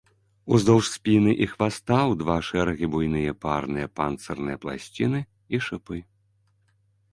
Удоўж спіны і хваста ў два шэрагі буйныя парныя панцырныя пласціны і шыпы.